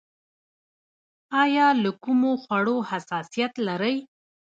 ایا له کومو خوړو حساسیت لرئ؟